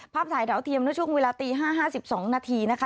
ถ่ายดาวเทียมในช่วงเวลาตี๕๕๒นาทีนะคะ